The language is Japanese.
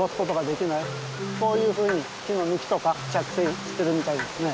こういうふうに木の幹とか着生しているみたいですね。